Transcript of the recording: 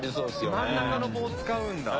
真ん中の棒を使うんだ。